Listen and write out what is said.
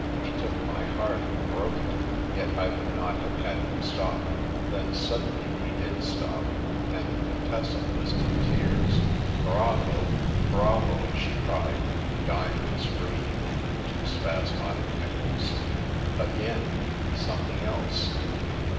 He took my heart and broke it, yet I would not have had him stop. Then, suddenly, he did stop, and the Contessa was in tears. " Bravo ! bravo !" she cried, diamonds raining over two spas modic dimples. " Again ; something else."